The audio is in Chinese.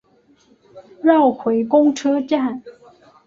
绕回公车站